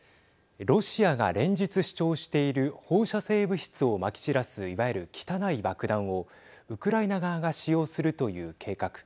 ロシアが連日、主張している放射性物質をまき散らすいわゆる汚い爆弾をウクライナ側が使用するという計画。